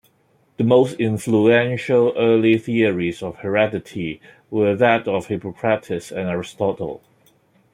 The most influential early theories of heredity were that of Hippocrates and Aristotle.